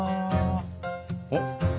おっ！